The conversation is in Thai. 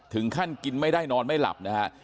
ถึงขั้นกินไม่ได้นอนไม่หลับนะฮะ